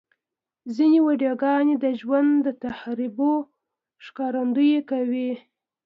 ځینې ویډیوګانې د ژوند د تجربو ښکارندویي کوي.